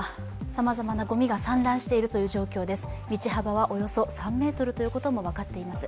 さまざまなごみが散乱しているという状況です。